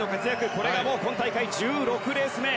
これが今大会１６レース目。